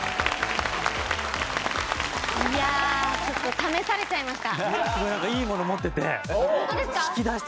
いやあちょっと試されちゃいました。